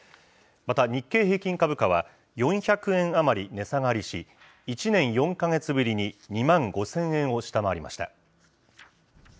また、日経平均株価は４００円余り値下がりし、１年４か月ぶりに２万５０００円を下回りました。